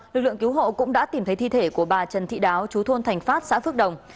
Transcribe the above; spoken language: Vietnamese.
lực lượng cứu hộ cũng đã tìm thấy thi thể của bà trần thị đáo chú thôn thành phát xã phước đồng